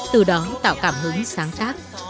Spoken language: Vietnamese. từ đó tạo cảm hứng sáng tác